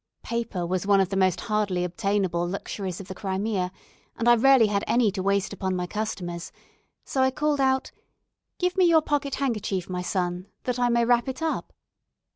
Paper was one of the most hardly obtainable luxuries of the Crimea, and I rarely had any to waste upon my customers; so I called out, "Give me your pocket handkerchief, my son, that I may wrap it up."